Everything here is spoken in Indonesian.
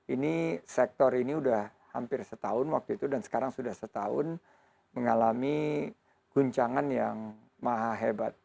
ini sektor ini sudah hampir setahun waktu itu dan sekarang sudah setahun mengalami guncangan yang maha hebat